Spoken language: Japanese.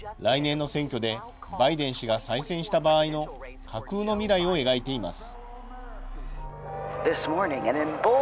来年の選挙でバイデン氏が再選した場合の架空の未来を描いています。